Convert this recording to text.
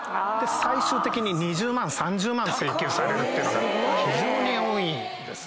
最終的に２０万３０万請求されるっていうのが非常に多いんですね。